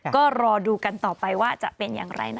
ก็รอดูกันต่อไปว่าจะเป็นอย่างไรนะ